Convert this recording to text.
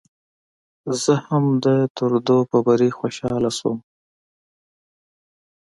زه هم د ترودو په بري خوشاله شوم.